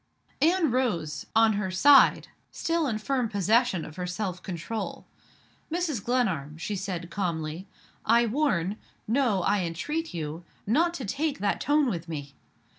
Anne rose on her side, still in firm possession of her self control. "Mrs. Glenarm," she said, calmly, "I warn no, I entreat you not to take that tone with me.